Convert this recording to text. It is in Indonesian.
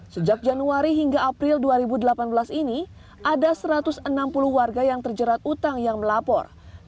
sejak januari hingga april dua ribu delapan belas ini ada satu ratus enam puluh warga yang terjerat utang yang melapor